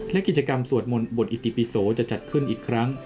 และกิจกรรมสวดมนต์บทอิติปิโสจะจัดขึ้นอีกครั้ง